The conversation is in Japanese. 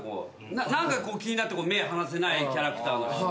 何かこう気になって目離せないキャラクターの人。